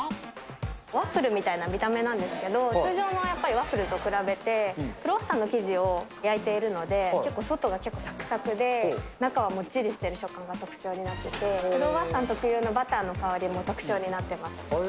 ワッフルみたいな見た目なんですけど、通常のやっぱりワッフルと比べて、クロワッサンの生地を焼いているので、結構外がさくさくで、中はもっちりしてる食感が特徴になってて、クロワッサン特有のバターの香りが特徴になってます。